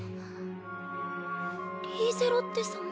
リーゼロッテ様。